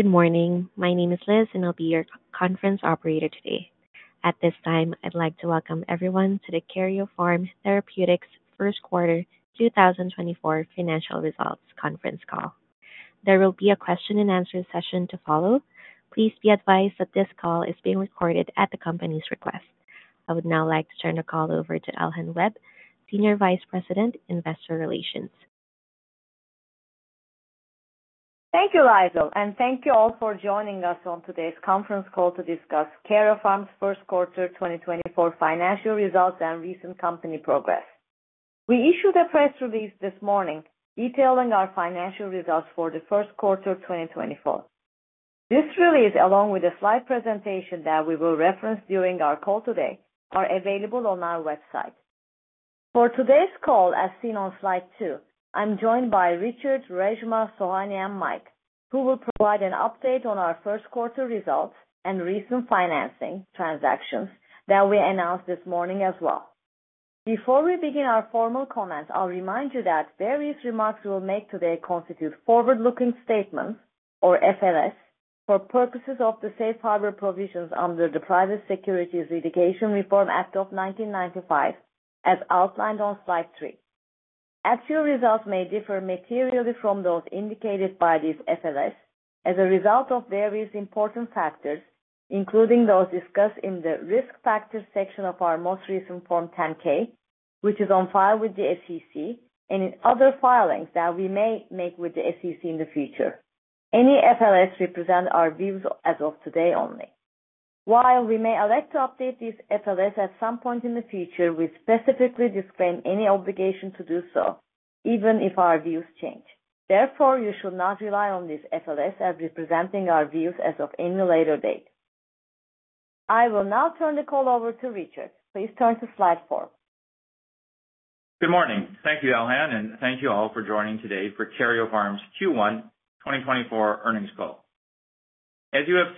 Good morning, my name is Liz and I'll be your conference operator today. At this time, I'd like to welcome everyone to the Karyopharm Therapeutics First Quarter 2024 financial results Conference call. There will be a question-and-answer session to follow. Please be advised that this call is being recorded at the company's request. I would now like to turn the call over to Elhan Webb, Senior Vice President, Investor Relations. Thank you, Liz, and thank you all for joining us on today's conference call to discuss Karyopharm's first quarter 2024 financial results and recent company progress. We issued a press release this morning detailing our financial results for the first quarter 2024. This release, along with a slide presentation that we will reference during our call today, is available on our website. For today's call, as seen on slide two, I'm joined by Richard, Reshma, Sohanya, and Mike, who will provide an update on our first quarter results and recent financing transactions that we announced this morning as well. Before we begin our formal comments, I'll remind you that various remarks we'll make today constitute forward-looking statements, or FLS, for purposes of the Safe Harbor Provisions under the Private Securities Litigation Reform Act of 1995, as outlined on Slide 3. Actual results may differ materially from those indicated by these FLS as a result of various important factors, including those discussed in the Risk Factors section of our most recent Form 10-K, which is on file with the SEC, and in other filings that we may make with the SEC in the future. Any FLS represent our views as of today only. While we may elect to update these FLS at some point in the future, we specifically disclaim any obligation to do so, even if our views change. Therefore, you should not rely on these FLS as representing our views as of any later date. I will now turn the call over to Richard. Please turn to Slide 4. Good morning. Thank you, Elhan, and thank you all for joining today for Karyopharm's Q1 2024 earnings call. As you have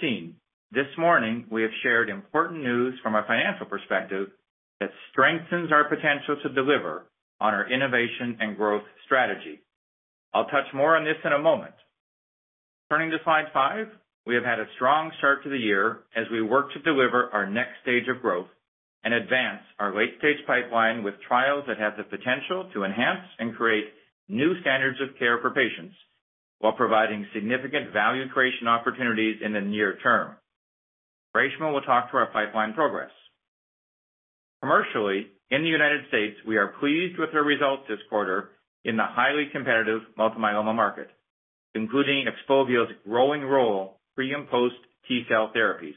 seen this morning, we have shared important news from a financial perspective that strengthens our potential to deliver on our innovation and growth strategy. I'll touch more on this in a moment. Turning to Slide 5, we have had a strong start to the year as we work to deliver our next stage of growth and advance our late-stage pipeline with trials that have the potential to enhance and create new standards of care for patients while providing significant value creation opportunities in the near term. Reshma will talk to our pipeline progress. Commercially, in the United States, we are pleased with our results this quarter in the highly competitive multiple myeloma market, including Xpovio's growing role pre- and post-T-cell therapies.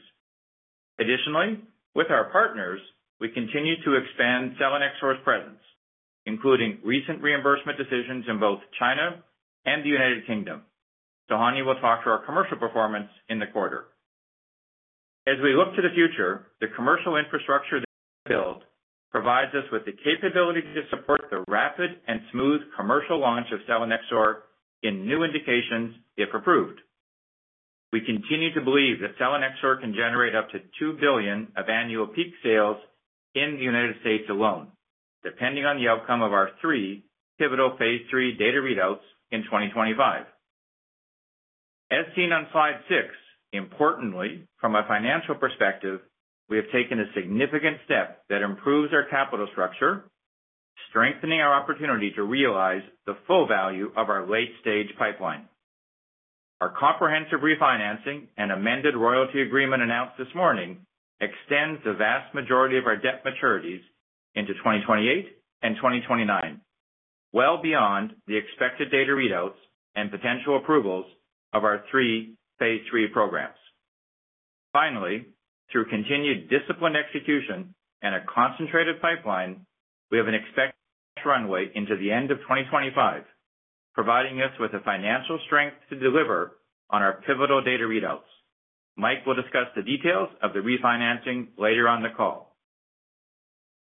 Additionally, with our partners, we continue to expand selinexor presence, including recent reimbursement decisions in both China and the United Kingdom. Sohanya will talk to our commercial performance in the quarter. As we look to the future, the commercial infrastructure that we build provides us with the capability to support the rapid and smooth commercial launch of selinexor in new indications, if approved. We continue to believe that selinexor can generate up to $2 billion of annual peak sales in the United States alone, depending on the outcome of our three pivotal phase III data readouts in 2025. As seen on Slide 6, importantly, from a financial perspective, we have taken a significant step that improves our capital structure, strengthening our opportunity to realize the full value of our late-stage pipeline. Our comprehensive refinancing and amended royalty agreement announced this morning extends the vast majority of our debt maturities into 2028 and 2029, well beyond the expected data readouts and potential approvals of our three phase III programs. Finally, through continued disciplined execution and a concentrated pipeline, we have an expected cash runway into the end of 2025, providing us with the financial strength to deliver on our pivotal data readouts. Mike will discuss the details of the refinancing later on the call.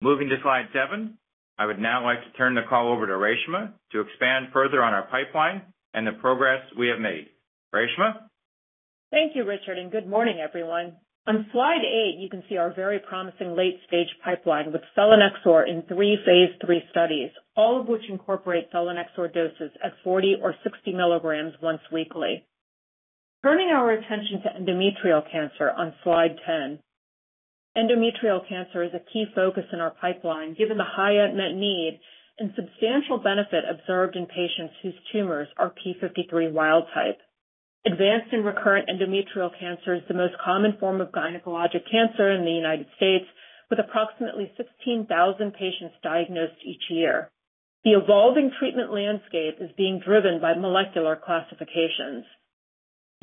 Moving to Slide 7, I would now like to turn the call over to Reshma to expand further on our pipeline and the progress we have made. Reshma? Thank you, Richard, and good morning, everyone. On Slide 8, you can see our very promising late-stage pipeline with selinexor in three phase III studies, all of which incorporate selinexor doses at 40 mg or 60 mg once weekly. Turning our attention to endometrial cancer on Slide 10, endometrial cancer is a key focus in our pipeline given the high unmet need and substantial benefit observed in patients whose tumors are TP53 wild-type. Advanced and recurrent endometrial cancer is the most common form of gynecologic cancer in the United States, with approximately 16,000 patients diagnosed each year. The evolving treatment landscape is being driven by molecular classifications.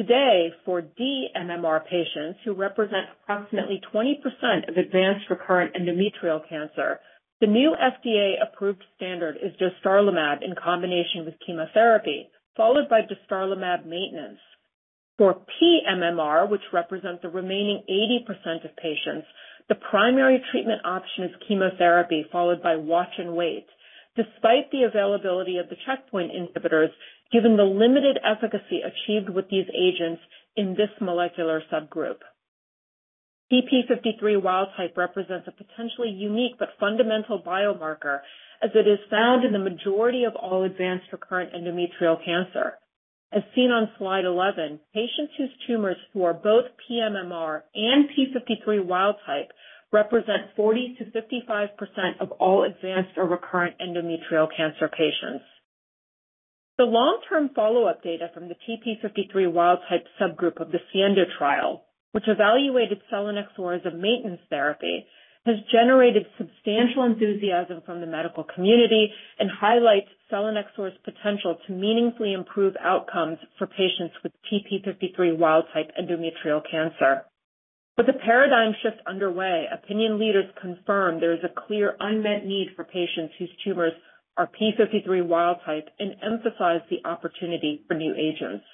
Today, for dMMR patients who represent approximately 20% of advanced recurrent endometrial cancer, the new FDA-approved standard is dostarlimab in combination with chemotherapy, followed by dostarlimab maintenance. For pMMR, which represents the remaining 80% of patients, the primary treatment option is chemotherapy, followed by watch and wait, despite the availability of the checkpoint inhibitors given the limited efficacy achieved with these agents in this molecular subgroup. TP53 wild-type represents a potentially unique but fundamental biomarker as it is found in the majority of all advanced recurrent endometrial cancer. As seen on Slide 11, patients whose tumors are both pMMR and TP53 wild-type represent 40%-55% of all advanced or recurrent endometrial cancer patients. The long-term follow-up data from the TP53 wild-type subgroup of the SIENDO trial, which evaluated selinexor as a maintenance therapy, has generated substantial enthusiasm from the medical community and highlights selinexor's potential to meaningfully improve outcomes for patients with TP53 wild-type endometrial cancer. With a paradigm shift underway, opinion leaders confirm there is a clear unmet need for patients whose tumors are p53 wild-type and emphasize the opportunity for new agents.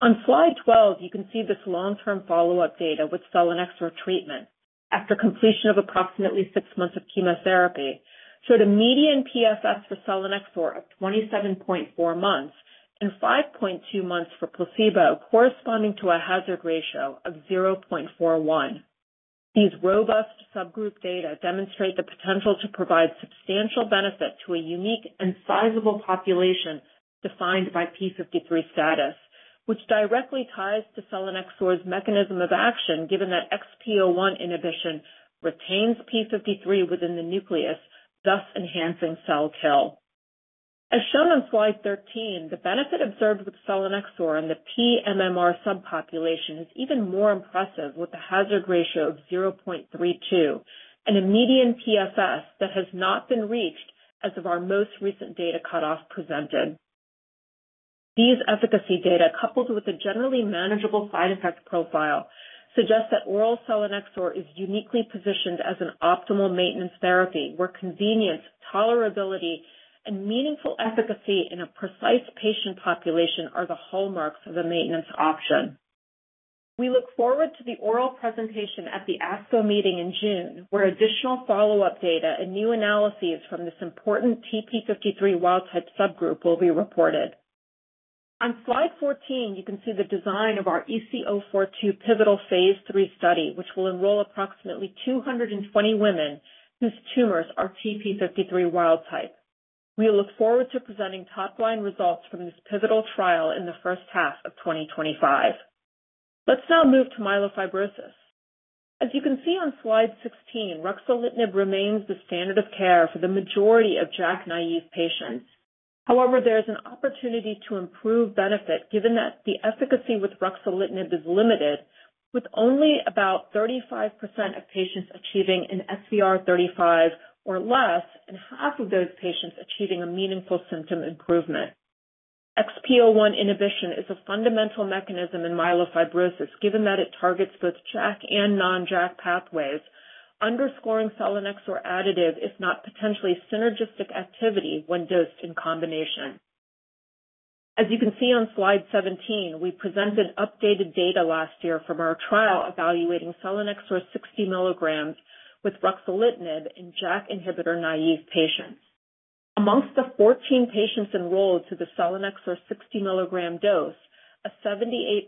On Slide 12, you can see this long-term follow-up data with selinexor treatment after completion of approximately six months of chemotherapy showed a median PFS for selinexor of 27.4 months and 5.2 months for placebo, corresponding to a hazard ratio of 0.41. These robust subgroup data demonstrate the potential to provide substantial benefit to a unique and sizable population defined by p53 status, which directly ties to selinexor's mechanism of action given that XPO1 inhibition retains p53 within the nucleus, thus enhancing cell kill. As shown on Slide 13, the benefit observed with selinexor in the pMMR subpopulation is even more impressive with a hazard ratio of 0.32 and a median PFS that has not been reached as of our most recent data cutoff presented. These efficacy data, coupled with a generally manageable side effect profile, suggest that oral selinexor is uniquely positioned as an optimal maintenance therapy where convenience, tolerability, and meaningful efficacy in a precise patient population are the hallmarks of a maintenance option. We look forward to the oral presentation at the ASCO meeting in June, where additional follow-up data and new analyses from this important TP53 wild-type subgroup will be reported. On slide 14, you can see the design of our EC-042 pivotal phase III study, which will enroll approximately 220 women whose tumors are TP53 wild-type. We look forward to presenting top-line results from this pivotal trial in the first half of 2025. Let's now move to myelofibrosis. As you can see on Slide 16, ruxolitinib remains the standard of care for the majority of JAK-naive patients. However, there is an opportunity to improve benefit given that the efficacy with ruxolitinib is limited, with only about 35% of patients achieving an SVR35 or less and half of those patients achieving a meaningful symptom improvement. XPO1 inhibition is a fundamental mechanism in myelofibrosis given that it targets both JAK and non-JAK pathways, underscoring XPO1 additive, if not potentially synergistic activity when dosed in combination. As you can see on Slide 17, we presented updated data last year from our trial evaluating XPO1 60 mg with ruxolitinib in JAK inhibitor-naive patients. Among the 14 patients enrolled to the Exportin 1 60 mg dose, a 78%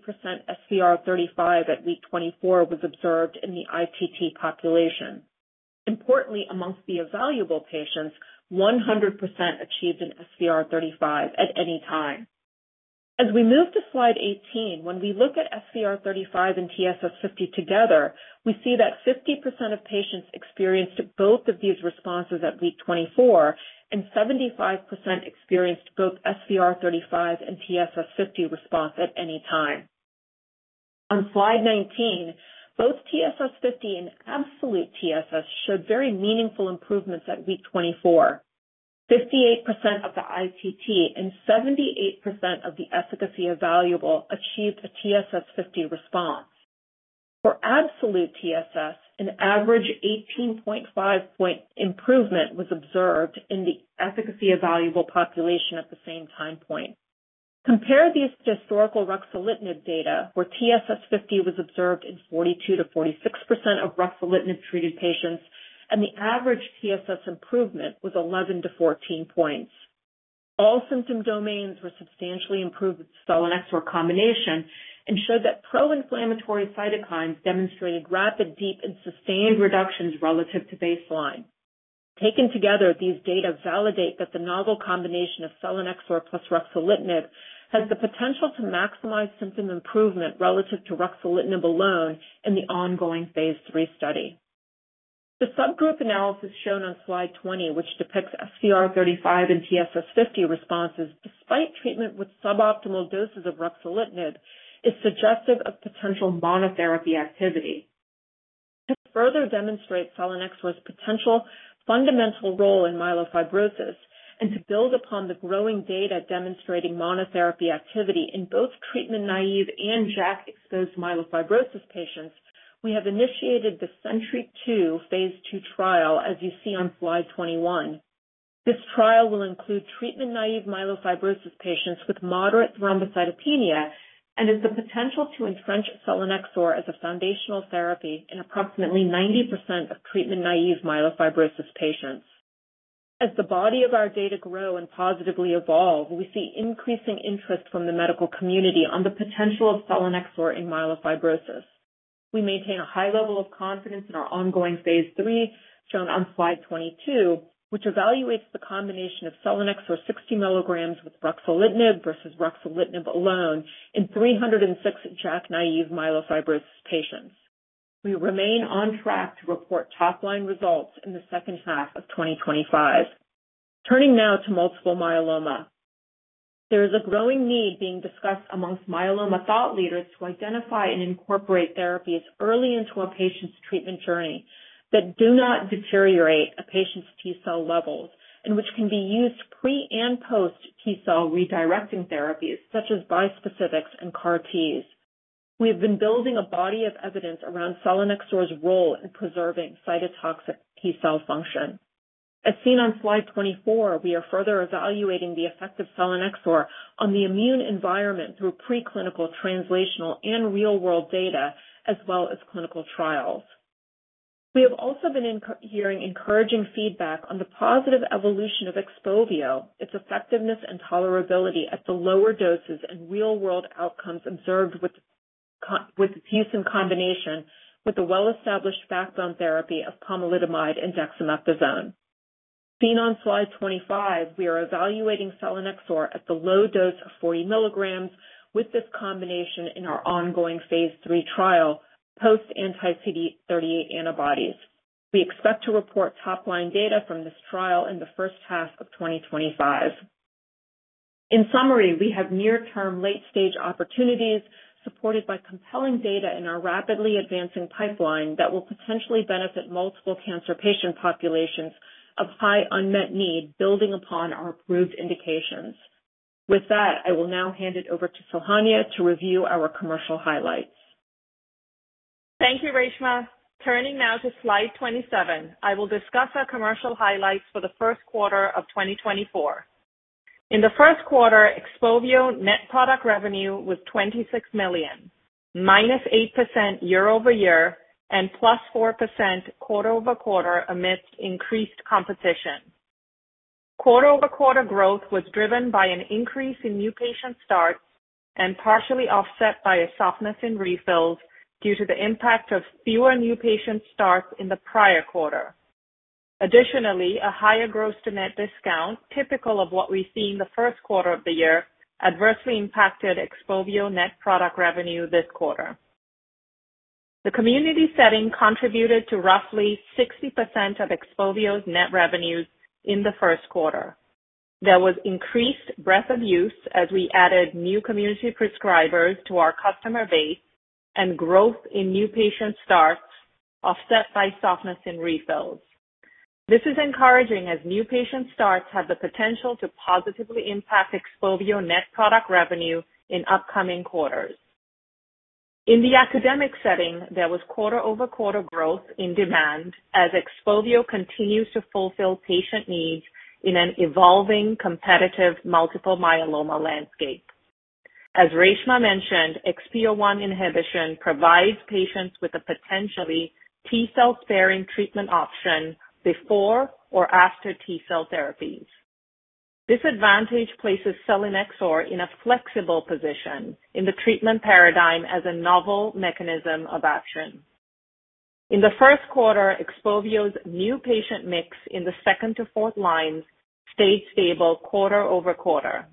SVR35 at week 24 was observed in the ITT population. Importantly, among the evaluable patients, 100% achieved an SVR35 at any time. As we move to Slide 18, when we look at SVR35 and TSS50 together, we see that 50% of patients experienced both of these responses at week 24 and 75% experienced both SVR35 and TSS50 response at any time. On Slide 19, both TSS50 and absolute TSS showed very meaningful improvements at week 24. 58% of the ITT and 78% of the efficacy evaluable achieved a TSS50 response. For absolute TSS, an average 18.5-point improvement was observed in the efficacy evaluable population at the same time point. Compare these historical ruxolitinib data, where TSS50 was observed in 42%-46% of ruxolitinib-treated patients, and the average TSS improvement was 11-14 points. All symptom domains were substantially improved with selinexor combination and showed that pro-inflammatory cytokines demonstrated rapid, deep, and sustained reductions relative to baseline. Taken together, these data validate that the novel combination of selinexor plus ruxolitinib has the potential to maximize symptom improvement relative to ruxolitinib alone in the ongoing phase III study. The subgroup analysis shown on Slide 20, which depicts SVR35 and TSS50 responses despite treatment with suboptimal doses of ruxolitinib, is suggestive of potential monotherapy activity to further demonstrate selinexor's potential fundamental role in myelofibrosis. To build upon the growing data demonstrating monotherapy activity in both treatment-naive and JAK-exposed myelofibrosis patients, we have initiated the SENTRY-2 phase II trial, as you see on Slide 21. This trial will include treatment-naive myelofibrosis patients with moderate thrombocytopenia and has the potential to entrench selinexor as a foundational therapy in approximately 90% of treatment-naive myelofibrosis patients. As the body of our data grow and positively evolve, we see increasing interest from the medical community on the potential of selinexor in myelofibrosis. We maintain a high level of confidence in our ongoing phase III shown on Slide 22, which evaluates the combination of selinexor 60 mg with ruxolitinib versus ruxolitinib alone in 306 JAK-naive myelofibrosis patients. We remain on track to report top-line results in the second half of 2025. Turning now to multiple myeloma, there is a growing need being discussed among myeloma thought leaders to identify and incorporate therapies early into a patient's treatment journey that do not deteriorate a patient's T-cell levels and which can be used pre and post-T-cell redirecting therapies such as bispecifics and CAR-Ts. We have been building a body of evidence around Exportin 1's role in preserving cytotoxic T-cell function. As seen on slide 24, we are further evaluating the effect of Exportin 1 on the immune environment through preclinical, translational, and real-world data, as well as clinical trials. We have also been hearing encouraging feedback on the positive evolution of Xpovio, its effectiveness and tolerability at the lower doses and real-world outcomes observed with its use in combination with the well-established backbone therapy of pomalidomide and dexamethasone. Seen on Slide 25, we are evaluating exportin 1 at the low dose of 40 mg with this combination in our ongoing phase III trial post-anti-CD38 antibodies. We expect to report top-line data from this trial in the first half of 2025. In summary, we have near-term late-stage opportunities supported by compelling data in our rapidly advancing pipeline that will potentially benefit multiple cancer patient populations of high unmet need building upon our approved indications. With that, I will now hand it over to Sohanya to review our commercial highlights. Thank you, Reshma. Turning now to Slide 27, I will discuss our commercial highlights for the first quarter of 2024. In the first quarter, Xpovio net product revenue was $26 million, -8% year-over-year and +4% quarter-over-quarter amidst increased competition. Quarter-over-quarter growth was driven by an increase in new patient starts and partially offset by a softness in refills due to the impact of fewer new patient starts in the prior quarter. Additionally, a higher gross-to-net discount, typical of what we've seen the first quarter of the year, adversely impacted Xpovio net product revenue this quarter. The community setting contributed to roughly 60% of Xpovio's net revenues in the first quarter. There was increased breadth of use as we added new community prescribers to our customer base and growth in new patient starts offset by softness in refills. This is encouraging as new patient starts have the potential to positively impact Xpovio net product revenue in upcoming quarters. In the academic setting, there was quarter-over-quarter growth in demand as Xpovio continues to fulfill patient needs in an evolving competitive multiple myeloma landscape. As Reshma mentioned, XPO1 inhibition provides patients with a potentially T-cell-sparing treatment option before or after T-cell therapies. This advantage places XPO1 in a flexible position in the treatment paradigm as a novel mechanism of action. In the first quarter, Xpovio's new patient mix in the second to fourth lines stayed stable quarter-over-quarter.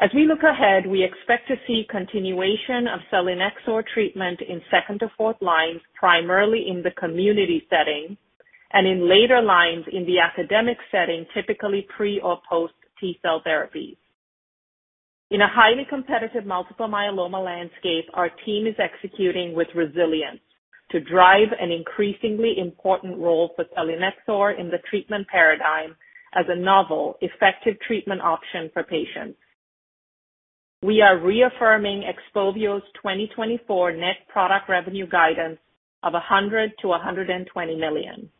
As we look ahead, we expect to see continuation of XPO1 treatment in second to fourth lines primarily in the community setting and in later lines in the academic setting, typically pre or post-T-cell therapies. In a highly competitive multiple myeloma landscape, our team is executing with resilience to drive an increasingly important role for selinexor in the treatment paradigm as a novel effective treatment option for patients. We are reaffirming Xpovio's 2024 net product revenue guidance of $100 million-$120 million.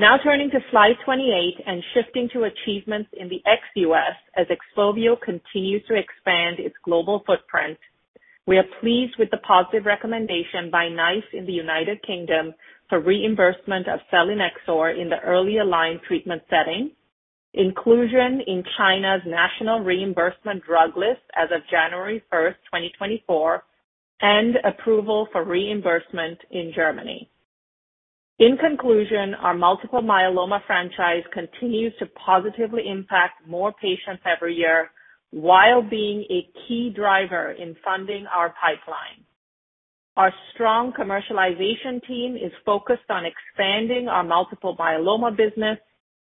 Now turning to Slide 28 and shifting to achievements in the ex-U.S. as Xpovio continues to expand its global footprint, we are pleased with the positive recommendation by NICE in the United Kingdom for reimbursement of selinexor in the early-line treatment setting, inclusion in China's national reimbursement drug list as of January 1st, 2024, and approval for reimbursement in Germany. In conclusion, our multiple myeloma franchise continues to positively impact more patients every year while being a key driver in funding our pipeline. Our strong commercialization team is focused on expanding our multiple myeloma business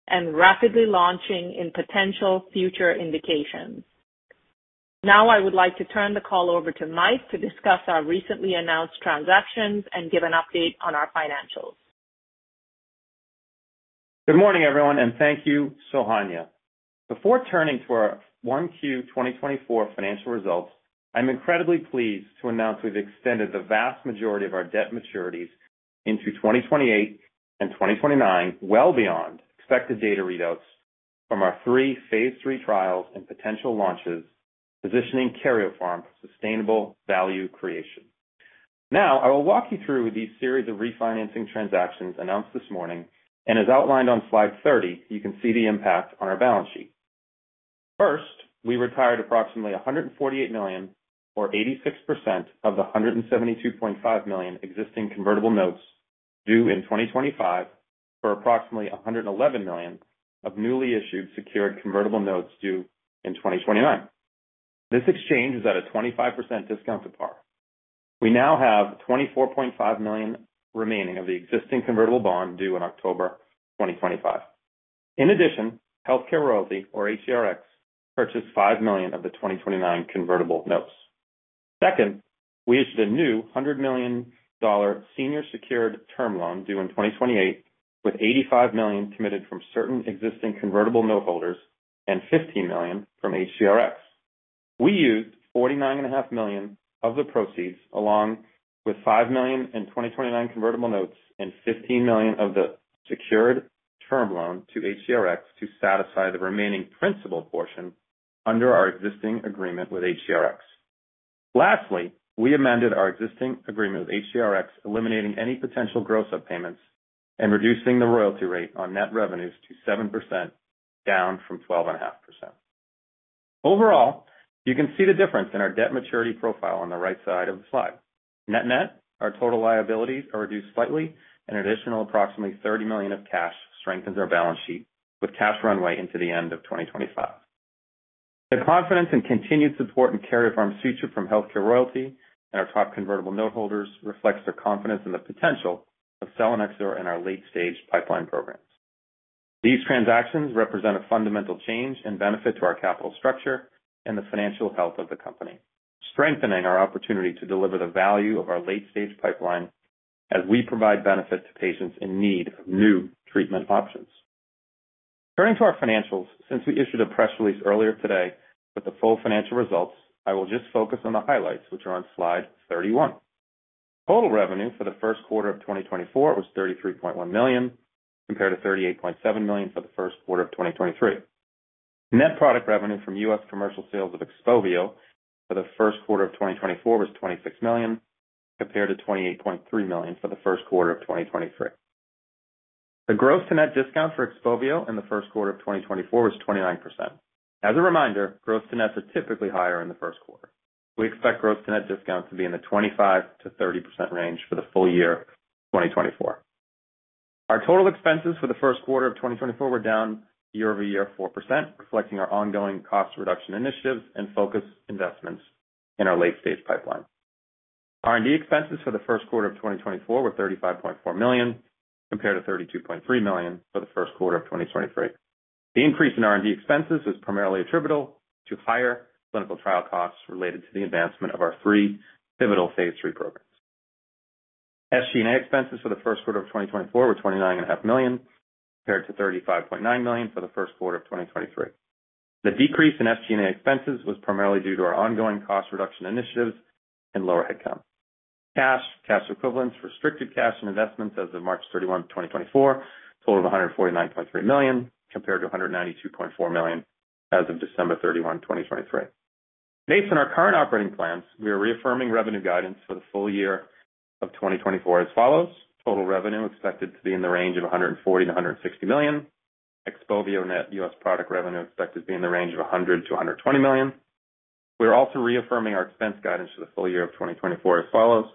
and rapidly launching in potential future indications. Now I would like to turn the call over to Mike to discuss our recently announced transactions and give an update on our financials. Good morning, everyone, and thank you, Sohanya. Before turning to our Q1 2024 financial results, I'm incredibly pleased to announce we've extended the vast majority of our debt maturities into 2028 and 2029 well beyond expected data readouts from our three phase III trials and potential launches, positioning Karyopharm for sustainable value creation. Now I will walk you through these series of refinancing transactions announced this morning, and as outlined on slide 30, you can see the impact on our balance sheet. First, we retired approximately $148 million, or 86% of the $172.5 million existing convertible notes due in 2025, for approximately $111 million of newly issued secured convertible notes due in 2029. This exchange is at a 25% discount to par. We now have $24.5 million remaining of the existing convertible bond due in October 2025. In addition, HealthCare Royalty, or HCRx, purchased $5 million of the 2029 convertible notes. Second, we issued a new $100 million senior secured term loan due in 2028 with $85 million committed from certain existing convertible noteholders and $15 million from HCRx. We used $49.5 million of the proceeds along with $5 million in 2029 convertible notes and $15 million of the secured term loan to HCRx to satisfy the remaining principal portion under our existing agreement with HCRx. Lastly, we amended our existing agreement with HCRx, eliminating any potential gross-up payments and reducing the royalty rate on net revenues to 7% down from 12.5%. Overall, you can see the difference in our debt maturity profile on the right side of the slide. Net-net, our total liabilities are reduced slightly, and an additional approximately $30 million of cash strengthens our balance sheet with cash runway into the end of 2025. The confidence in continued support in Karyopharm's future from HealthCare Royalty and our top convertible noteholders reflects their confidence in the potential of Exportin 1 in our late-stage pipeline programs. These transactions represent a fundamental change and benefit to our capital structure and the financial health of the company, strengthening our opportunity to deliver the value of our late-stage pipeline as we provide benefit to patients in need of new treatment options. Turning to our financials, since we issued a press release earlier today with the full financial results, I will just focus on the highlights, which are on slide 31. Total revenue for the first quarter of 2024 was $33.1 million compared to $38.7 million for the first quarter of 2023. Net product revenue from U.S. commercial sales of Xpovio for the first quarter of 2024 was $26 million compared to $28.3 million for the first quarter of 2023. The gross-to-net discount for Xpovio in the first quarter of 2024 was 29%. As a reminder, gross-to-nets are typically higher in the first quarter. We expect gross-to-net discount to be in the 25%-30% range for the full year 2024. Our total expenses for the first quarter of 2024 were down year-over-year 4%, reflecting our ongoing cost reduction initiatives and focused investments in our late-stage pipeline. R&D expenses for the first quarter of 2024 were $35.4 million compared to $32.3 million for the first quarter of 2023. The increase in R&D expenses was primarily attributable to higher clinical trial costs related to the advancement of our three pivotal phase III programs. SG&A expenses for the first quarter of 2024 were $29.5 million compared to $35.9 million for the first quarter of 2023. The decrease in SG&A expenses was primarily due to our ongoing cost reduction initiatives and lower headcount. Cash, cash equivalents, restricted cash, and investments as of March 31, 2024, totaled $149.3 million compared to $192.4 million as of December 31, 2023. Based on our current operating plans, we are reaffirming revenue guidance for the full year of 2024 as follows: total revenue expected to be in the range of $140 million-$160 million. Xpovio net U.S. product revenue expected to be in the range of $100 million-$120 million. We are also reaffirming our expense guidance for the full year of 2024 as follows: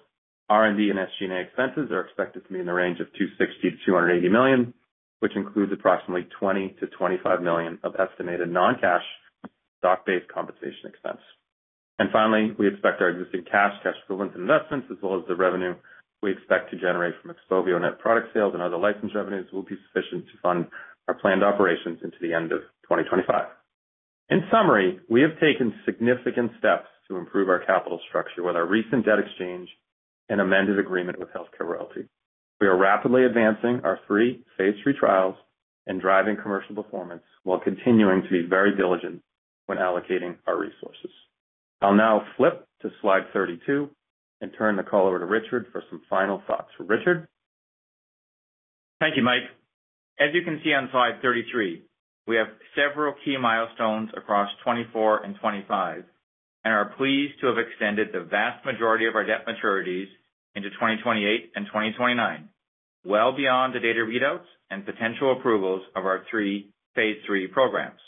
R&D and SG&A expenses are expected to be in the range of $260 million-$280 million, which includes approximately $20 million-$25 million of estimated non-cash stock-based compensation expense. Finally, we expect our existing cash, cash equivalents, and investments, as well as the revenue we expect to generate from Xpovio net product sales and other license revenues, will be sufficient to fund our planned operations into the end of 2025. In summary, we have taken significant steps to improve our capital structure with our recent debt exchange and amended agreement with HealthCare Royalty. We are rapidly advancing our three phase III trials and driving commercial performance while continuing to be very diligent when allocating our resources. I'll now flip to Slide 32 and turn the call over to Richard for some final thoughts. Richard? Thank you, Mike. As you can see on Slide 33, we have several key milestones across 2024 and 2025 and are pleased to have extended the vast majority of our debt maturities into 2028 and 2029 well beyond the data readouts and potential approvals of our three Phase III programs.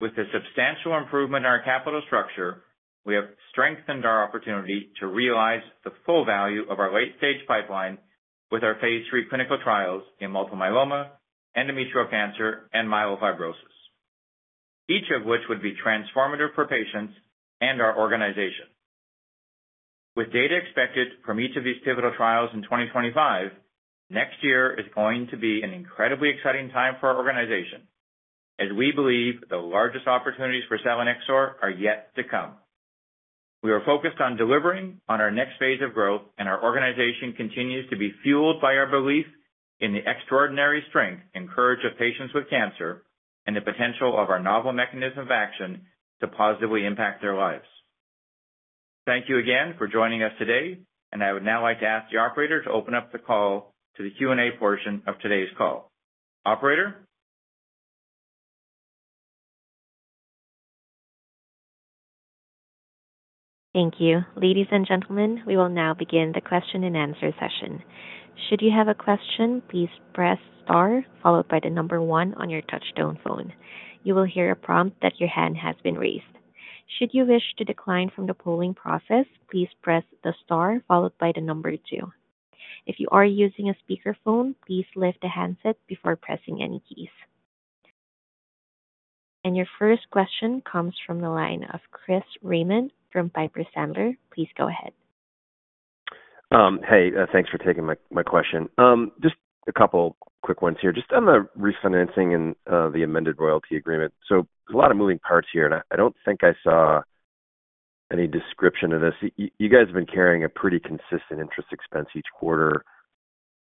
With the substantial improvement in our capital structure, we have strengthened our opportunity to realize the full value of our late-stage pipeline with our Phase III clinical trials in multiple myeloma, endometrial cancer, and myelofibrosis, each of which would be transformative for patients and our organization. With data expected from each of these pivotal trials in 2025, next year is going to be an incredibly exciting time for our organization as we believe the largest opportunities for selinexor are yet to come. We are focused on delivering on our next phase of growth, and our organization continues to be fueled by our belief in the extraordinary strength and courage of patients with cancer and the potential of our novel mechanism of action to positively impact their lives. Thank you again for joining us today, and I would now like to ask the operator to open up the call to the Q&A portion of today's call. Operator? Thank you. Ladies and gentlemen, we will now begin the question-and-answer session. Should you have a question, please press star followed by the number one on your touch-tone phone. You will hear a prompt that your hand has been raised. Should you wish to decline from the polling process, please press the star followed by the number two. If you are using a speakerphone, please lift the handset before pressing any keys. Your first question comes from the line of Chris Raymond from Piper Sandler. Please go ahead. Hey, thanks for taking my question. Just a couple quick ones here. Just on the refinancing and the amended royalty agreement, so there's a lot of moving parts here, and I don't think I saw any description of this. You guys have been carrying a pretty consistent interest expense each quarter.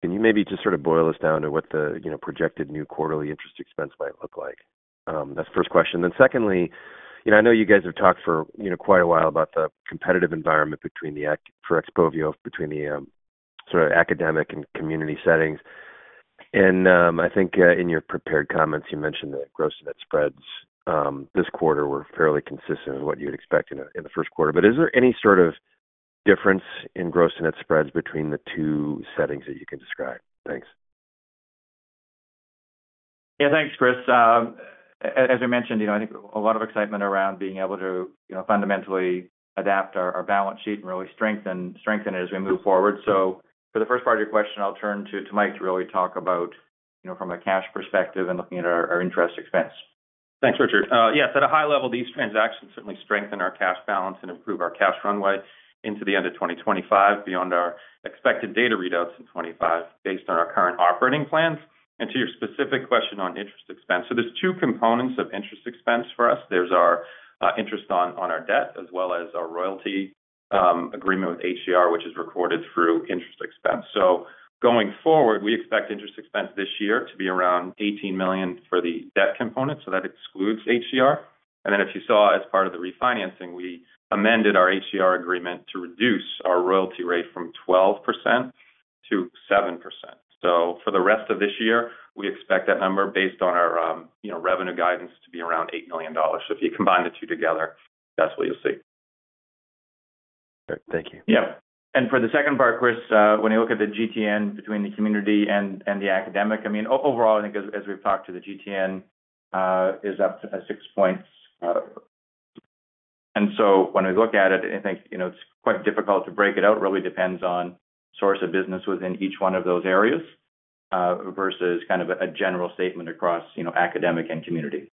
Can you maybe just sort of boil this down to what the projected new quarterly interest expense might look like? That's the first question. Then secondly, I know you guys have talked for quite a while about the competitive environment for Xpovio between the sort of academic and community settings. And I think in your prepared comments, you mentioned that gross net spreads this quarter were fairly consistent with what you'd expect in the first quarter. But is there any sort of difference in gross net spreads between the two settings that you can describe? Thanks. Yeah, thanks, Chris. As I mentioned, I think a lot of excitement around being able to fundamentally adapt our balance sheet and really strengthen it as we move forward. So for the first part of your question, I'll turn to Mike to really talk about from a cash perspective and looking at our interest expense. Thanks, Richard. Yes, at a high level, these transactions certainly strengthen our cash balance and improve our cash runway into the end of 2025 beyond our expected data readouts in 2025 based on our current operating plans. To your specific question on interest expense, there are two components of interest expense for us. There is our interest on our debt as well as our royalty agreement with HCR, which is recorded through interest expense. Going forward, we expect interest expense this year to be around $18 million for the debt component, so that excludes HCR. Then if you saw as part of the refinancing, we amended our HCR agreement to reduce our royalty rate from 12%-7%. For the rest of this year, we expect that number based on our revenue guidance to be around $8 million. If you combine the two together, that's what you'll see. Great. Thank you. Yeah. For the second part, Chris, when you look at the GTN between the community and the academic, I mean, overall, I think as we've talked to, the GTN is up to 6 points. So when we look at it, I think it's quite difficult to break it out. It really depends on the source of business within each one of those areas versus kind of a general statement across academic and community.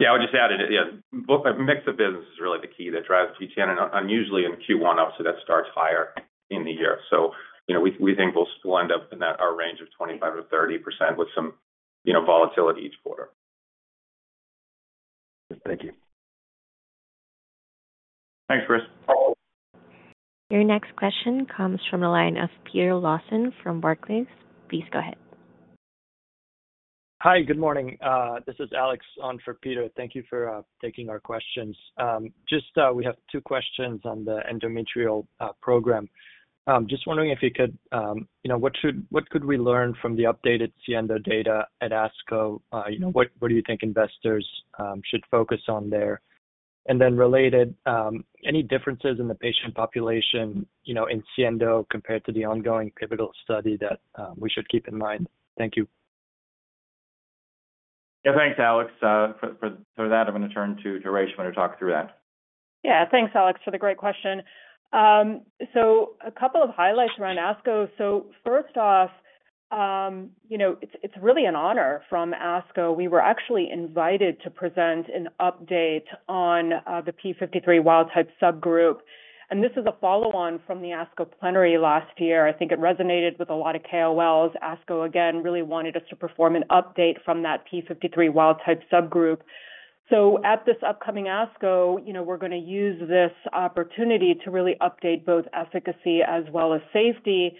Yeah, I would just add it. Yeah, a mix of business is really the key that drives GTN, and usually in Q1, obviously, that starts higher in the year. So we think we'll end up in our range of 25% or 30% with some volatility each quarter. Thank you. Thanks, Chris. Your next question comes from the line of Peter Lawson from Barclays. Please go ahead. Hi, good morning. This is Alex on for Peter. Thank you for taking our questions. We have two questions on the endometrial program. Just wondering, what could we learn from the updated SIENDO data at ASCO? What do you think investors should focus on there? And then related, any differences in the patient population in SIENDO compared to the ongoing pivotal study that we should keep in mind? Thank you. Yeah, thanks, Alex. For that, I'm going to turn to Reshma when we talk through that. Yeah, thanks, Alex, for the great question. So a couple of highlights around ASCO. So first off, it's really an honor from ASCO. We were actually invited to present an update on the p53 wild-type subgroup. And this is a follow-on from the ASCO plenary last year. I think it resonated with a lot of KOLs. ASCO, again, really wanted us to perform an update from that p53 wild-type subgroup. So at this upcoming ASCO, we're going to use this opportunity to really update both efficacy as well as safety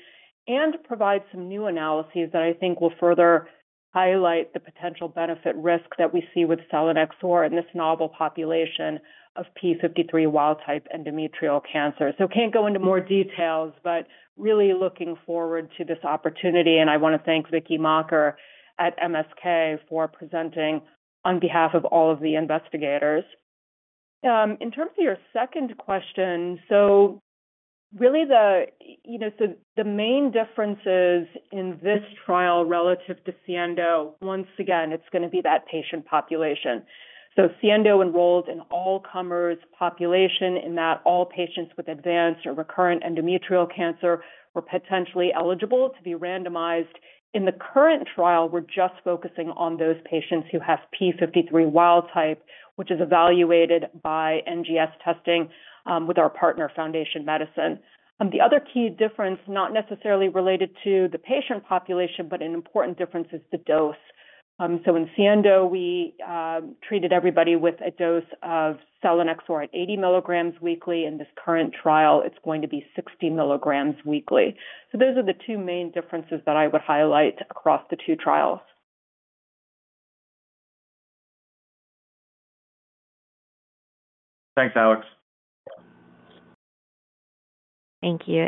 and provide some new analyses that I think will further highlight the potential benefit-risk that we see with selinexor in this novel population of p53 wild-type endometrial cancer. So can't go into more details, but really looking forward to this opportunity. I want to thank Vicky Makker at MSK for presenting on behalf of all of the investigators. In terms of your second question, so really the main differences in this trial relative to SIENDO, once again, it's going to be that patient population. So SIENDO enrolled an all-comers population in that all patients with advanced or recurrent endometrial cancer were potentially eligible to be randomized. In the current trial, we're just focusing on those patients who have TP53 wild-type, which is evaluated by NGS testing with our partner, Foundation Medicine. The other key difference, not necessarily related to the patient population, but an important difference is the dose. So in SIENDO, we treated everybody with a dose of selinexor at 80 mg weekly. In this current trial, it's going to be 60 milligrams weekly. So those are the two main differences that I would highlight across the two trials. Thanks, Alex. Thank you.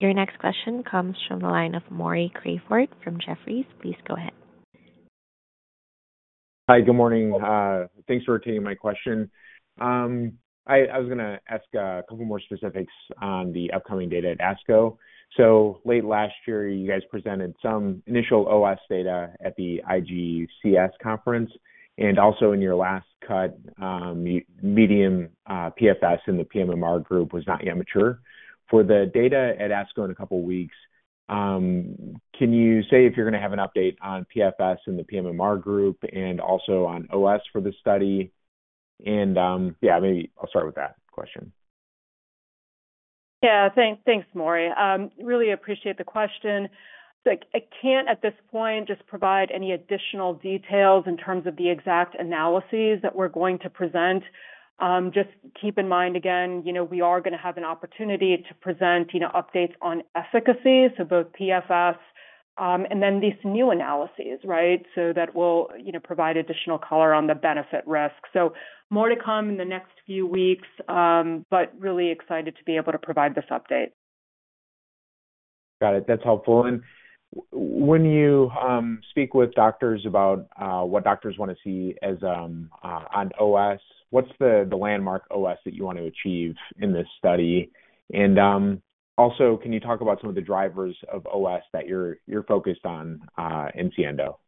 Your next question comes from the line of Maury Raycroft from Jefferies. Please go ahead. Hi, good morning. Thanks for taking my question. I was going to ask a couple more specifics on the upcoming data at ASCO. So late last year, you guys presented some initial OS data at the IGCS conference. And also in your last cut, median PFS in the pMMR group was not yet mature. For the data at ASCO in a couple of weeks, can you say if you're going to have an update on PFS in the pMMR group and also on OS for this study? And yeah, maybe I'll start with that question. Yeah, thanks, Maury. Really appreciate the question. I can't at this point just provide any additional details in terms of the exact analyses that we're going to present. Just keep in mind, again, we are going to have an opportunity to present updates on efficacy, so both PFS and then these new analyses, right, so that will provide additional color on the benefit risk. So more to come in the next few weeks, but really excited to be able to provide this update. Got it. That's helpful. And when you speak with doctors about what doctors want to see on OS, what's the landmark OS that you want to achieve in this study? And also, can you talk about some of the drivers of OS that you're focused on in SIENDO?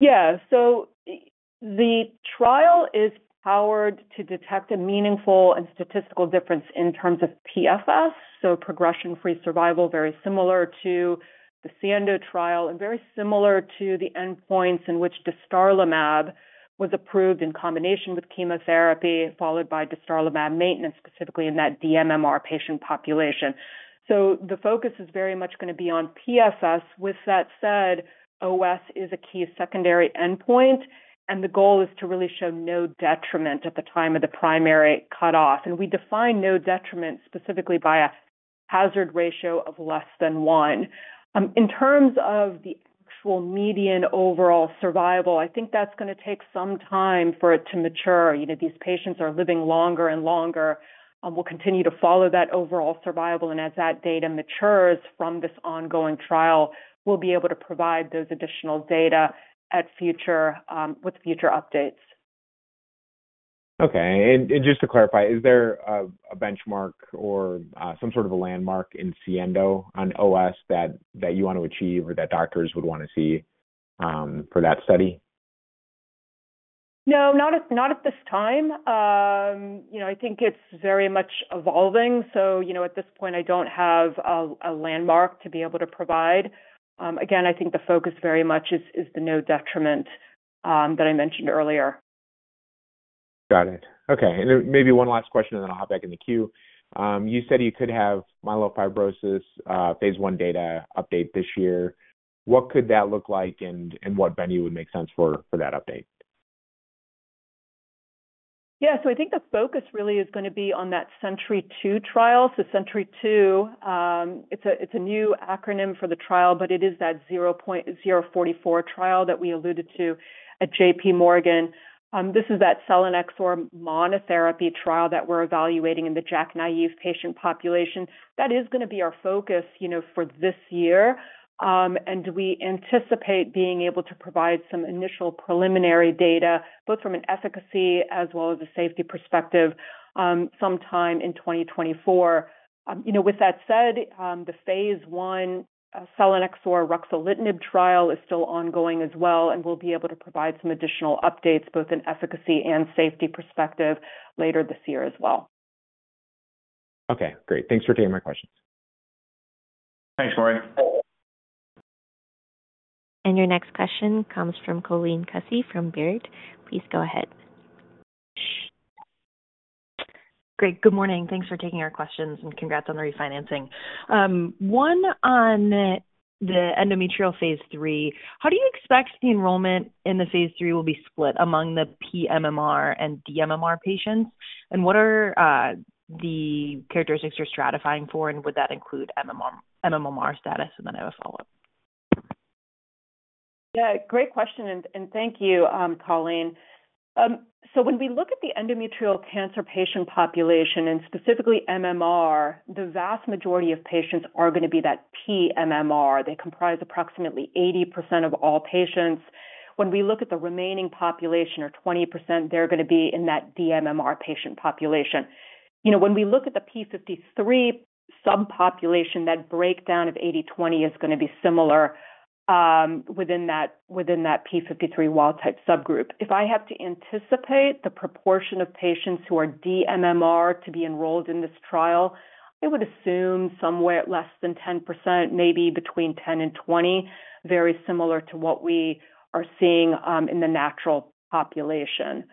Yeah. So the trial is powered to detect a meaningful and statistical difference in terms of PFS, so progression-free survival, very similar to the SIENDO trial and very similar to the endpoints in which dostarlimab was approved in combination with chemotherapy, followed by dostarlimab maintenance, specifically in that dMMR patient population. So the focus is very much going to be on PFS. With that said, OS is a key secondary endpoint, and the goal is to really show no detriment at the time of the primary cutoff. We define no detriment specifically by a hazard ratio of less than one. In terms of the actual median overall survival, I think that's going to take some time for it to mature. These patients are living longer and longer. We'll continue to follow that overall survival. As that data matures from this ongoing trial, we'll be able to provide those additional data with future updates. Okay. And just to clarify, is there a benchmark or some sort of a landmark in SIENDO on OS that you want to achieve or that doctors would want to see for that study? No, not at this time. I think it's very much evolving. At this point, I don't have a landmark to be able to provide. Again, I think the focus very much is the no detriment that I mentioned earlier. Got it. Okay. Maybe one last question, and then I'll hop back in the queue. You said you could have myelofibrosis phase I data update this year. What could that look like, and what venue would make sense for that update? Yeah. So I think the focus really is going to be on that SENTRY-2 trial. So SENTRY-2, it's a new acronym for the trial, but it is that 044 trial that we alluded to at JPMorgan. This is that selinexor monotherapy trial that we're evaluating in the JAK-naïve patient population. That is going to be our focus for this year. And we anticipate being able to provide some initial preliminary data both from an efficacy as well as a safety perspective sometime in 2024. With that said, the phase I selinexor ruxolitinib trial is still ongoing as well, and we'll be able to provide some additional updates both in efficacy and safety perspective later this year as well. Okay. Great. Thanks for taking my questions. Thanks, Maury. And your next question comes from Colleen Kusy from Baird. Please go ahead. Great. Good morning. Thanks for taking our questions, and congrats on the refinancing. One on the endometrial phase III. How do you expect the enrollment in the phase III will be split among the pMMR and dMMR patients? And what are the characteristics you're stratifying for, and would that include pMMR status? And then I have a follow-up. Yeah, great question, and thank you, Colleen. So when we look at the endometrial cancer patient population and specifically MMR, the vast majority of patients are going to be that pMMR. They comprise approximately 80% of all patients. When we look at the remaining population or 20%, they're going to be in that dMMR patient population. When we look at the p53 subpopulation, that breakdown of 80/20 is going to be similar within that p53 wild-type subgroup. If I have to anticipate the proportion of patients who are dMMR to be enrolled in this trial, I would assume somewhere less than 10%, maybe between 10%-20%, very similar to what we are seeing in the natural population.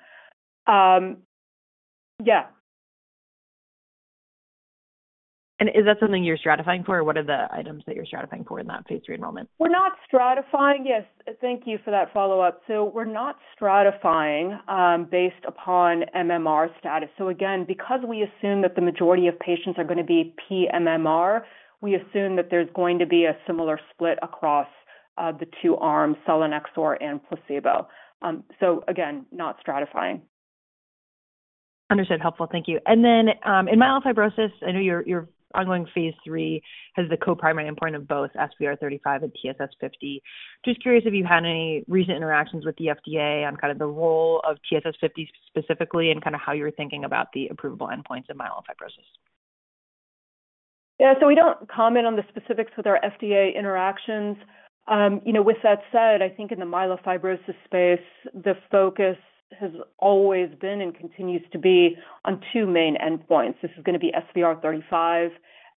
Yeah. Is that something you're stratifying for, or what are the items that you're stratifying for in that phase III enrollment? We're not stratifying. Yes. Thank you for that follow-up. So we're not stratifying based upon MMR status. So again, because we assume that the majority of patients are going to be pMMR, we assume that there's going to be a similar split across the two arms, selinexor and placebo. So again, not stratifying. Understood. Helpful. Thank you. And then in myelofibrosis, I know your ongoing phase III has the co-primary endpoint of both SVR35 and TSS50. Just curious if you've had any recent interactions with the FDA on kind of the role of TSS50 specifically and kind of how you were thinking about the approval endpoints of myelofibrosis. Yeah. So we don't comment on the specifics with our FDA interactions. With that said, I think in the myelofibrosis space, the focus has always been and continues to be on two main endpoints. This is going to be SVR35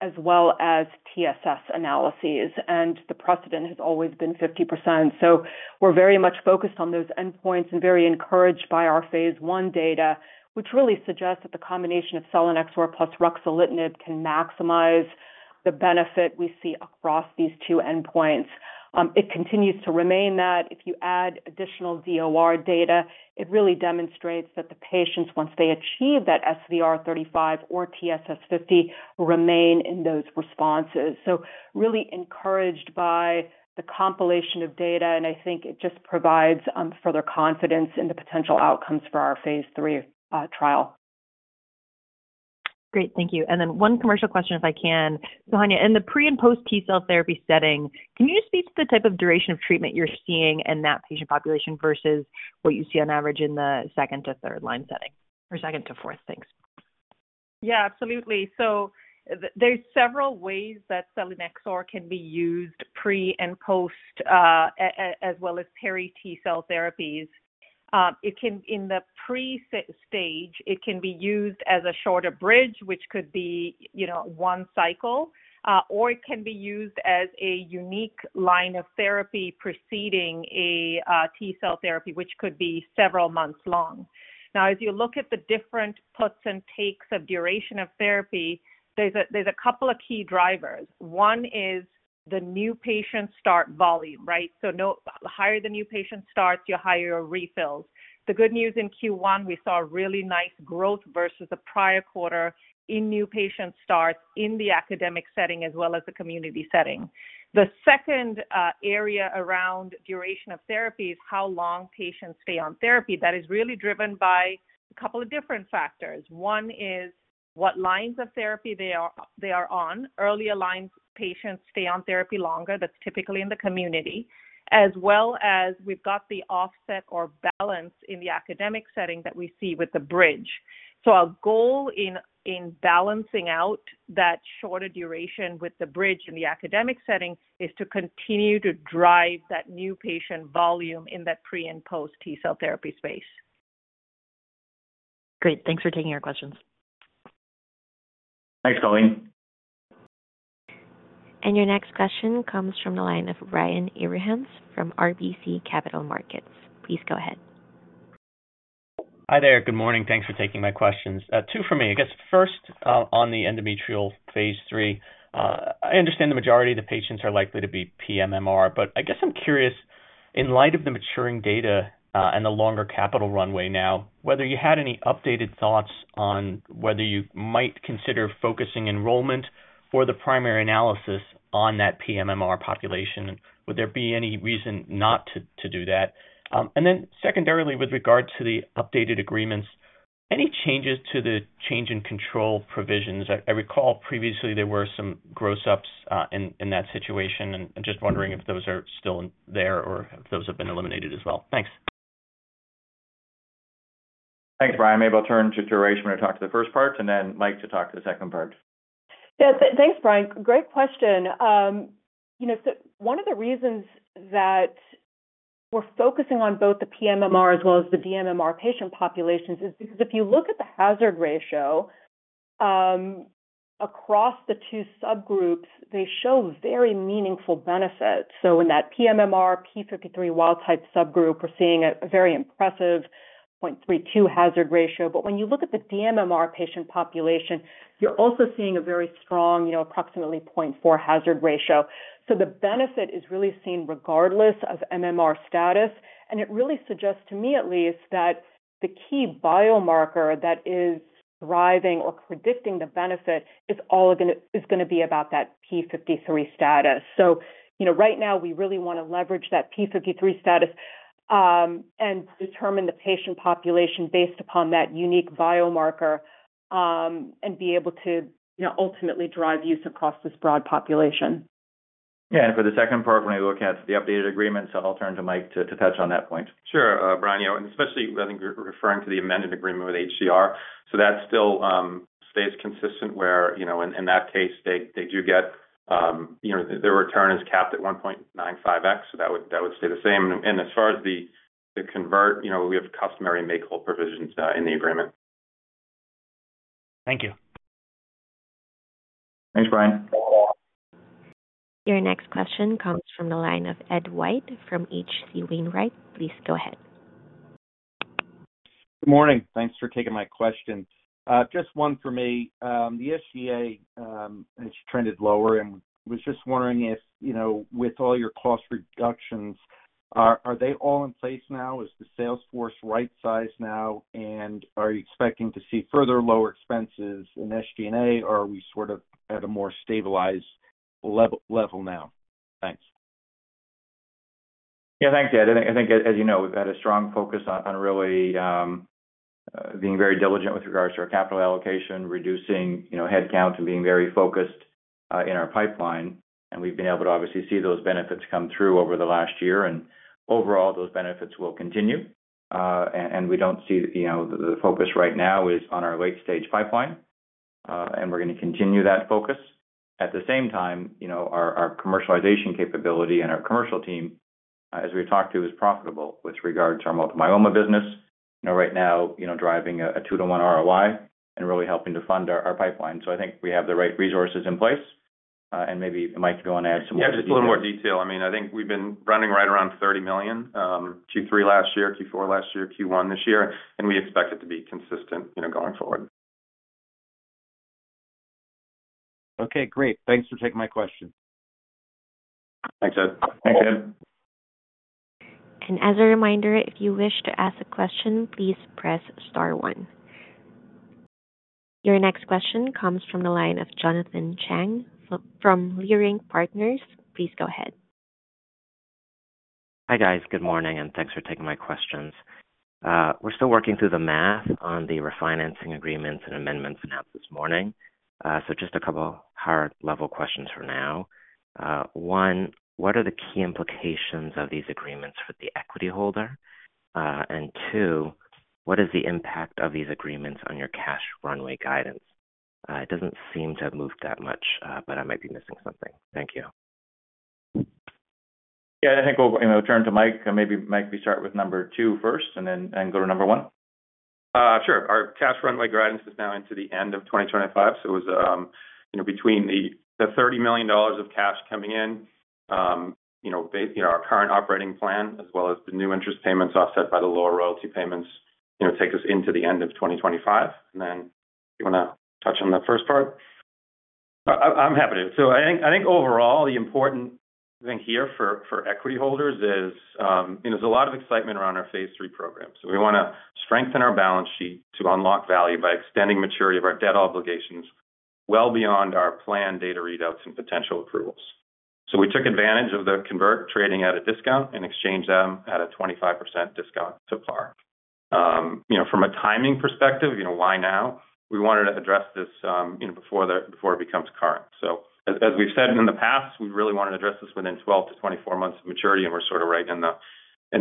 as well as TSS analyses. And the precedent has always been 50%. So we're very much focused on those endpoints and very encouraged by our phase one data, which really suggests that the combination of selinexor plus ruxolitinib can maximize the benefit we see across these two endpoints. It continues to remain that. If you add additional DOR data, it really demonstrates that the patients, once they achieve that SVR35 or TSS50, remain in those responses. So really encouraged by the compilation of data, and I think it just provides further confidence in the potential outcomes for our phase three trial. Great. Thank you. And then one commercial question, if I can. Sohanya, in the pre- and post-T-cell therapy setting, can you speak to the type of duration of treatment you're seeing in that patient population versus what you see on average in the second- to third-line setting? Or second- to fourth-, thanks. Yeah, absolutely. So there's several ways that Exportin 1 can be used pre and post, as well as CAR-T cell therapies. In the pre-stage, it can be used as a shorter bridge, which could be one cycle, or it can be used as a unique line of therapy preceding a T-cell therapy, which could be several months long. Now, as you look at the different puts and takes of duration of therapy, there's a couple of key drivers. One is the new patient start volume, right? So the higher the new patient starts, the higher your refills. The good news in Q1, we saw really nice growth versus the prior quarter in new patient starts in the academic setting as well as the community setting. The second area around duration of therapy is how long patients stay on therapy. That is really driven by a couple of different factors. One is what lines of therapy they are on. Earlier lines, patients stay on therapy longer. That's typically in the community. As well as we've got the offset or balance in the academic setting that we see with the bridge. So our goal in balancing out that shorter duration with the bridge in the academic setting is to continue to drive that new patient volume in that pre and post T-cell therapy space. Great. Thanks for taking your questions. Thanks, Colleen. Your next question comes from the line of Brian Abrahams from RBC Capital Markets. Please go ahead. Hi there. Good morning. Thanks for taking my questions. Two for me. I guess first, on the endometrial phase III, I understand the majority of the patients are likely to be PMMR, but I guess I'm curious, in light of the maturing data and the longer capital runway now, whether you had any updated thoughts on whether you might consider focusing enrollment or the primary analysis on that PMMR population. Would there be any reason not to do that? And then secondarily, with regard to the updated agreements, any changes to the change in control provisions? I recall previously there were some gross-ups in that situation, and I'm just wondering if those are still there or if those have been eliminated as well. Thanks. Thanks, Brian. Maybe I'll turn to Reshma to talk to the first part, and then Mike to talk to the second part. Yeah. Thanks, Brian. Great question. So one of the reasons that we're focusing on both the pMMR as well as the dMMR patient populations is because if you look at the hazard ratio across the two subgroups, they show very meaningful benefits. So in that pMMR p53 wild-type subgroup, we're seeing a very impressive 0.32 hazard ratio. But when you look at the dMMR patient population, you're also seeing a very strong approximately 0.4 hazard ratio. So the benefit is really seen regardless of MMR status. And it really suggests to me, at least, that the key biomarker that is driving or predicting the benefit is going to be about that p53 status. So right now, we really want to leverage that p53 status and determine the patient population based upon that unique biomarker and be able to ultimately drive use across this broad population. Yeah. And for the second part, when we look at the updated agreements, I'll turn to Mike to touch on that point. Sure, Brian. And especially, I think, referring to the amended agreement with HCR. So that still stays consistent where, in that case, they do get their return is capped at 1.95x, so that would stay the same. And as far as the convert, we have customary make- provisions in the agreement. Thank you. Thanks, Brian. Your next question comes from the line of Ed White from H.C. Wainwright. Please go ahead. Good morning. Thanks for taking my questions. Just one for me. The SG&A has trended lower, and I was just wondering if, with all your cost reductions, are they all in place now? Is the salesforce right size now? And are you expecting to see further lower expenses in SG&A, or are we sort of at a more stabilized level now? Thanks. Yeah. Thanks, Ed. I think, as you know, we've had a strong focus on really being very diligent with regards to our capital allocation, reducing headcount, and being very focused in our pipeline. We've been able to obviously see those benefits come through over the last year. Overall, those benefits will continue. We don't see the focus right now is on our late-stage pipeline, and we're going to continue that focus. At the same time, our commercialization capability and our commercial team, as we've talked to, is profitable with regards to our multiple myeloma business, right now driving a 2-to-1 ROI and really helping to fund our pipeline. So I think we have the right resources in place. And maybe Mike can go on and add some more to the agreement. Yeah. Just a little more detail. I mean, I think we've been running right around $30 million Q3 last year, Q4 last year, Q1 this year. And we expect it to be consistent going forward. Okay. Great. Thanks for taking my question. Thanks, Ed. Thanks, Ed. As a reminder, if you wish to ask a question, please press star one. Your next question comes from the line of Jonathan Chang from Leerink Partners. Please go ahead. Hi guys. Good morning, and thanks for taking my questions. We're still working through the math on the refinancing agreements and amendments announced this morning. So just a couple of higher-level questions for now. One, what are the key implications of these agreements for the equity holder? And two, what is the impact of these agreements on your cash runway guidance? It doesn't seem to have moved that much, but I might be missing something. Thank you. Yeah. I think we'll turn to Mike. Maybe Mike, we start with number two first and then go to number one? Sure. Our cash runway guidance is now into the end of 2025. So it was between the $30 million of cash coming in, our current operating plan, as well as the new interest payments offset by the lower royalty payments, takes us into the end of 2025. And then do you want to touch on the first part? I'm happy to. So I think overall, the important thing here for equity holders is there's a lot of excitement around our phase three program. So we want to strengthen our balance sheet to unlock value by extending maturity of our debt obligations well beyond our planned data readouts and potential approvals. So we took advantage of the convert trading at a discount and exchanged them at a 25% discount to par. From a timing perspective, why now? We wanted to address this before it becomes current. So as we've said in the past, we really wanted to address this within 12-24 months of maturity, and we're sort of right in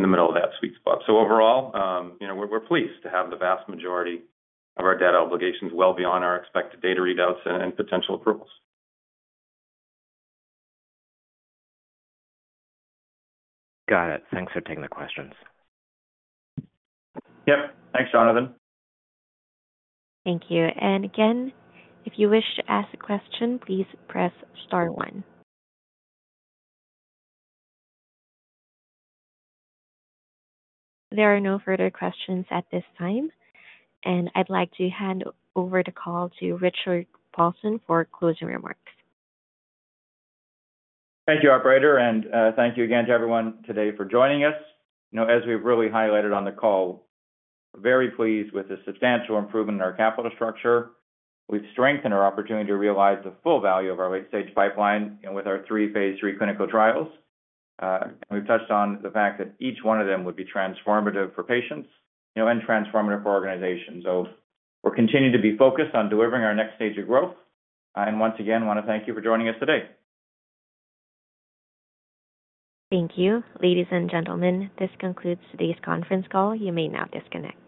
the middle of that sweet spot. So overall, we're pleased to have the vast majority of our debt obligations well beyond our expected data readouts and potential approvals. Got it. Thanks for taking the questions. Yep. Thanks, Jonathan. Thank you. And again, if you wish to ask a question, please press star one. There are no further questions at this time. And I'd like to hand over the call to Richard Paulson for closing remarks. Thank you, operator. Thank you again to everyone today for joining us. As we've really highlighted on the call, very pleased with the substantial improvement in our capital structure. We've strengthened our opportunity to realize the full value of our late-stage pipeline with our three phase III clinical trials. We've touched on the fact that each one of them would be transformative for patients and transformative for organizations. We'll continue to be focused on delivering our next stage of growth. Once again, want to thank you for joining us today. Thank you. Ladies and gentlemen, this concludes today's conference call. You may now disconnect.